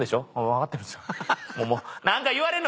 分かってるんですよ。